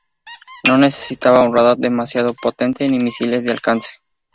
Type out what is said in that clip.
No necesitaba un radar demasiado potente ni misiles de alcance.